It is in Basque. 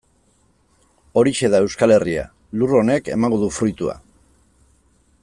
Horixe da Euskal Herria, lur honek emango du fruitua.